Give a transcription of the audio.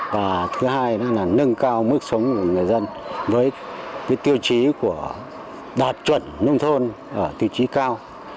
và thứ hai là nâng cao mức sống của người dân với tiêu chí của đạt chuẩn nông thôn ở tiêu chí cao